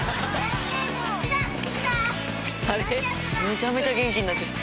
めちゃめちゃ元気になってる。